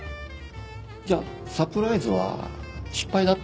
じゃあサプライズは失敗だったんですか？